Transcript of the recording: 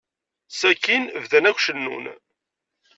Sakkin bdan akk cennun.